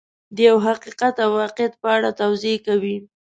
د یو حقیقت او واقعیت په اړه توضیح کوي.